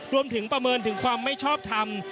รวมถึงประเมินถึงความไม่ชอบทำ